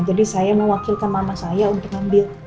jadi saya mewakilkan mama saya untuk ambil